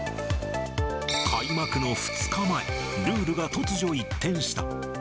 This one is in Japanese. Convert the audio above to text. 開幕の２日前、ルールが突如一転した。